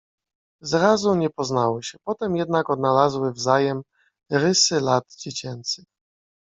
Zrazu nie poznały się, potem jednak odnalazły wzajem rysy lat dziecięcych.